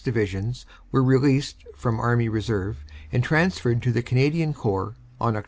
Divisions were released from Army Reserve and transferred to the Canadian Corps on Oct.